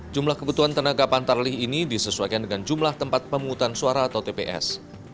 jumlah kebutuhan tenaga pantarlih ini disesuaikan dengan jumlah tempat pemungutan suara atau tps